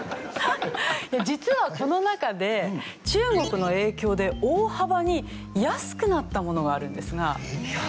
実はこの中で中国の影響で大幅に安くなったものがあるんですが。